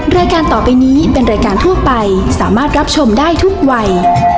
รายการต่อไปนี้เป็นรายการทั่วไปสามารถรับชมได้ทุกวัย